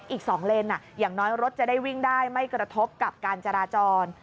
อีก๒เลนอย่างน้อยรถจะได้วิ่งได้ไม่กระทบกับการจราจร